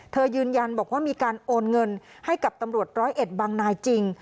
ยืนยันบอกว่ามีการโอนเงินให้กับตำรวจร้อยเอ็ดบางนายจริง